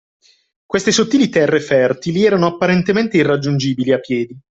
Queste sottili terre fertili erano apparentemente irraggiungibili a piedi